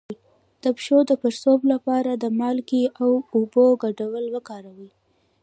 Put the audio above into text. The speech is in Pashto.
د پښو د پړسوب لپاره د مالګې او اوبو ګډول وکاروئ